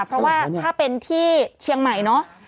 เพราะว่าถ้าเป็นที่เชียงใหม่เนอะ